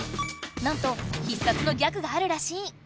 なんと必殺のギャグがあるらしい。